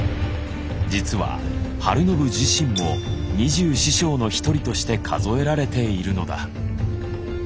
実は晴信自身も二十四将の一人として数えられているのだ。